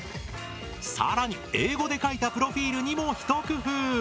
さらに英語で書いたプロフィールにも一工夫。